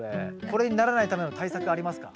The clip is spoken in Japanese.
これにならないための対策ありますか？